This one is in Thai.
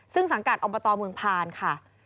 ซึ่งสังกัดอมประตอบเมืองพานค่ะ